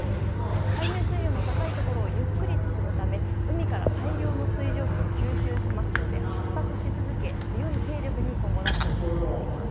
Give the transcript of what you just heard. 海面水温が高いところをゆっくり進むため海から大量の水蒸気を吸収しますので発達し続け強い勢力に今後なると予想されています。